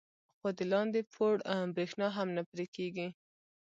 خو د لاندې پوړ برېښنا هم نه پرې کېږي.